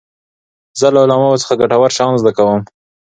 زه له علماوو څخه ګټور شیان زده کوم.